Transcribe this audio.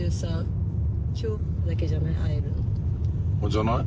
じゃない？